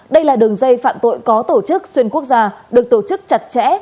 đây là đường dây phạm tội có tổ chức xuyên quốc gia được tổ chức chặt chẽ